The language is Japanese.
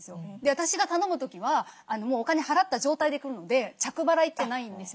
私が頼む時はお金払った状態で来るので着払いってないんですよね。